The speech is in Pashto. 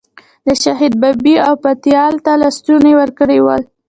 د شهید بابی او پتیال ته لیستونه ورکړي ول.